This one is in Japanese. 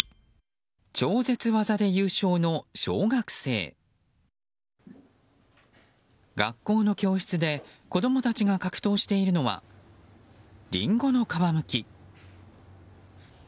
学校の教室で子供たちが格闘しているのはリンゴの皮むき。